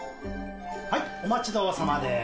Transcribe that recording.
はい、お待ちどおさまです。